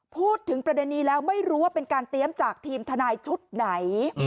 พูดถึงประเด็นนี้แล้วไม่รู้ว่าเป็นการเตรียมจากทีมทนายชุดไหน